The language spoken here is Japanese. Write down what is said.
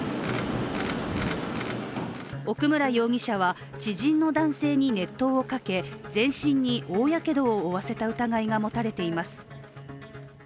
奥村容疑者は知人の男性に熱湯をかけ全身に大やけどを負わせた疑いが持たれています。